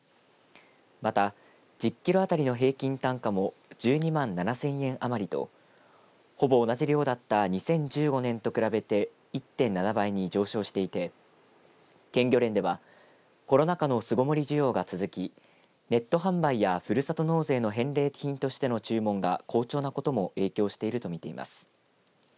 また、１０キロ当たりの平均単価も１２万７０００円余りとほぼ同じ量だった２０１５年と比べて１．７倍に上昇していて県漁連ではコロナ禍の巣ごもり需要が続きネット販売や、ふるさと納税の返礼品としての注文が好調なことも影響していると見ています。